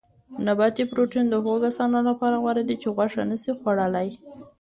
نباتي پروټین د هغو کسانو لپاره غوره دی چې غوښه نه شي خوړلای.